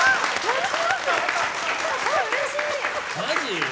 マジ？